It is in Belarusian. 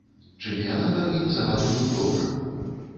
Чэмпіянат арганізаваны быў добра.